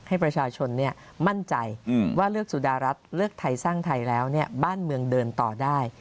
ให้ประชาชนมั่นใจว่าเลือกสุดารัฐเลือกไทยสร้างไทยแล้วบ้านเมืองเดินต่อได้